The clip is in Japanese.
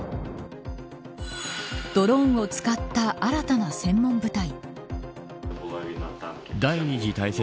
ドローンを使った新たな専門部隊。